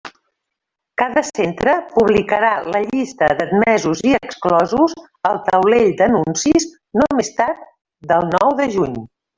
Cada centre publicarà la llista d'admesos i exclosos al taulell d'anuncis no més tard del nou de juny.